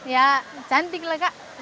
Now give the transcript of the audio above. ya cantik lah kak